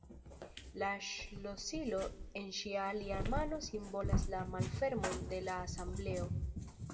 La ŝlosilo en ŝia alia mano simbolas la malfermon de la Asembleo.